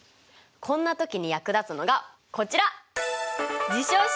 こんな時に役立つのがこちら！